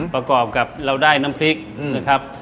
ประกอบกับเราได้น้ำพริกนะครับ